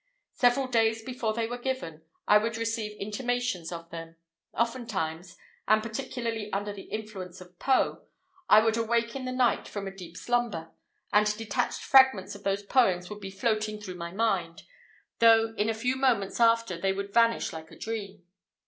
Several days before they were given, I would receive intimations of them. Oftentimes, and particularly under the influence of Poe, I would awake in the night from a deep slumber, and detached fragments of those poems would be floating through my mind, though in a few moments after they would vanish like a dream.